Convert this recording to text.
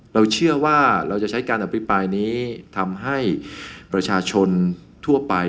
เราเชื่อว่าเราจะใช้การอภิปรายนี้ทำให้ประชาชนทั่วไป